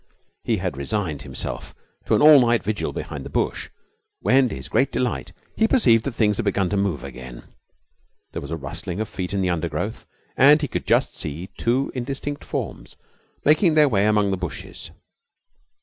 He had resigned himself to an all night vigil behind the bush, when to his great delight he perceived that things had begun to move again. There was a rustling of feet in the undergrowth, and he could just see two indistinct forms making their way among the bushes.